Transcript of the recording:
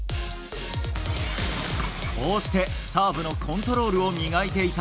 こうしてサーブのコントロールを磨いていた。